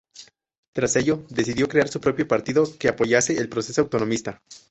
Tras ello decidió crear su propio partido que apoyase el proceso autonomista.